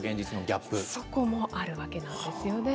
そこもあるわけなんですよね。